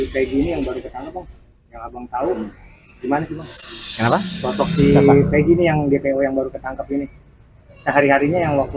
kayak gini yang baru ketangkep yang baru ketangkep ini sehari harinya yang waktu